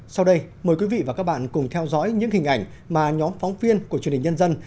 sau đây mời quý vị và các bạn cùng theo dõi những hình ảnh mà nhóm phóng viên của truyền hình nhân dân